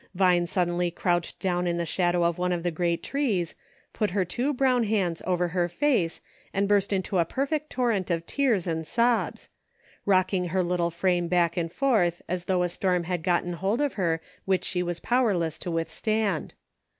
Vine suddenly crouched down in the "WILL YOU ?" 89 shadow of one of the great trees, put her two brown hands over her face and burst into a perfect torrent of tears and sobs ; rocking her little frame back and forth as though a storm had gotten hold of her which she was powerless to withstand.